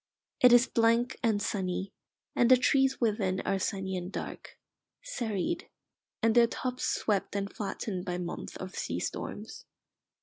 It is blank and sunny, and the trees within are sunny and dark, serried, and their tops swept and flattened by months of sea storms.